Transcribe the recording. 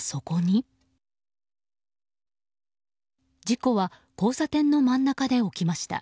事故は交差点の真ん中で起きました。